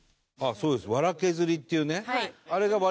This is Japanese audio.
そうですね。